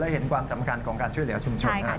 เห็นความสำคัญของการช่วยเหลือชุมชน